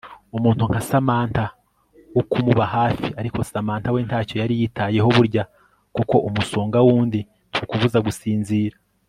umuntu nka Samantha wo kumuba hafi ariko Samantha we ntacyo yari yitayeho burya koko umusonga wundi ntukubuza gusinzira